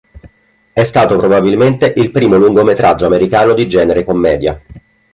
È stato probabilmente il primo lungometraggio americano di genere commedia.